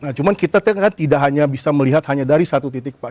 nah cuman kita tidak hanya bisa melihat hanya dari satu titik pak